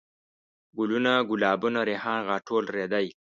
ګلوونه ،ګلابونه ،ريحان ،غاټول ،رېدی